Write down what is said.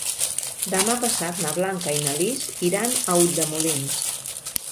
Demà passat na Blanca i na Lis iran a Ulldemolins.